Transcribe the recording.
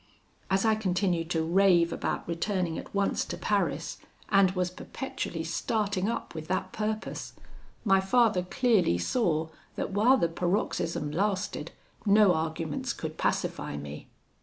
"As I continued to rave about returning at once to Paris, and was perpetually starting up with that purpose, my father clearly saw that while the paroxysm lasted, no arguments could pacify me.